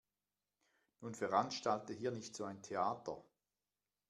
Nun veranstalte hier nicht so ein Theater.